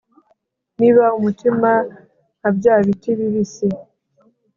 niba umutima, nka byabiti bibisi